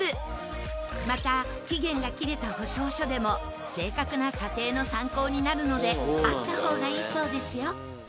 また期限が切れた保証書でも正確な査定の参考になるのであった方がいいそうですよ。